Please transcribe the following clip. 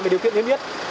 về điều kiện liên viết